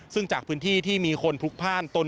ซึ่งจากพื้นที่ที่มีคนพลุกพ่านตน